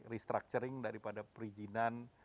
restructuring daripada perizinan